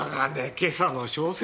今朝の小説。